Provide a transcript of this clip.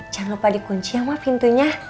jangan lupa dikunci ya wah pintunya